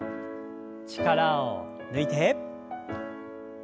力を抜いて。